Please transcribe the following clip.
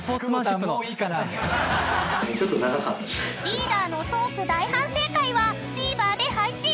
［リーダーのトーク大反省会はＴＶｅｒで配信］